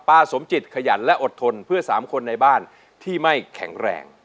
สมจิตขยันและอดทนเพื่อ๓คนในบ้านที่ไม่แข็งแรง